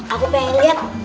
aku pengen lihat